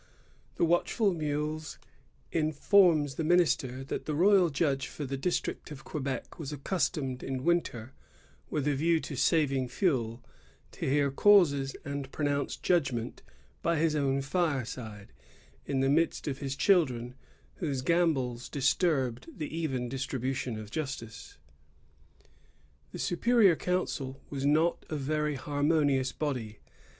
The watch ful Meules informs the minister that the royal judge for the district of Quebec was accustomed in winter, with a view to saving fuel, to hear causes and pro nounce judgment by his own fireside, in the midst of his children, whose gambols disturbed the even distribution of justice.^ The superior council was not a very harmonious body.